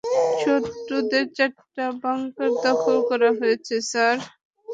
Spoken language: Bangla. শত্রুদের চারটা বাঙ্কার দখল করা হয়েছে, স্যার।